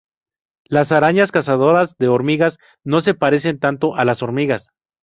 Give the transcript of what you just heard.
Las arañas cazadoras de hormigas no se parecen tanto a las hormigas.